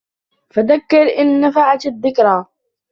فَذَكِّرْ إِن نَّفَعَتِ الذِّكْرَىٰ